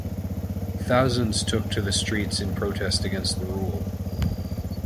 Thousands took to the streets in protest against the rule.